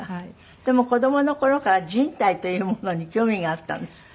でも子供の頃から人体というものに興味があったんですって？